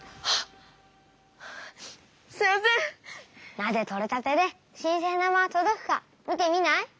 なぜとれたてで新鮮なままとどくか見てみない？